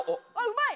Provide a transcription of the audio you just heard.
うまい！